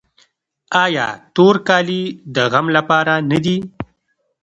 آیا تور کالي د غم لپاره نه دي؟